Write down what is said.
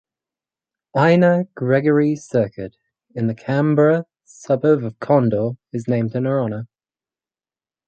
Ina Gregory Circuit in the Canberra suburb of Conder is named in her honour.